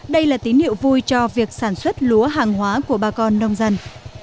đây là tín hiệu vui cho việc sản xuất lúa hàng hóa của bà con nông dân